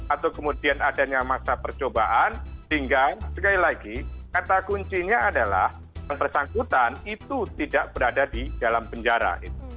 atau kemudian adanya masa percobaan sehingga sekali lagi kata kuncinya adalah yang bersangkutan itu tidak berada di dalam penjara